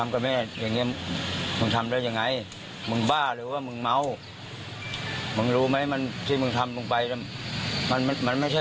กว่าที่จะให้อภัย